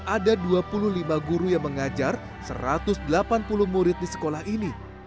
ada dua puluh lima guru yang mengajar satu ratus delapan puluh murid di sekolah ini